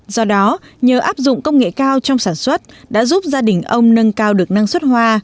do đó nhờ áp dụng công nghệ cao trong sản xuất đã giúp gia đình ông nâng cao được năng suất hoa